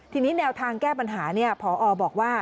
ทีนี้แนวทางแก้ปัญหาพอบอกว่า